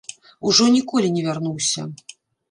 Ужо ніколі не вярнуўся.